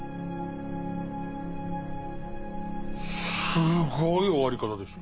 すごい終わり方でした。